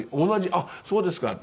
「あっそうですか」って。